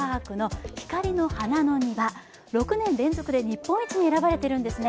６年連続で日本一に選ばれているんですね。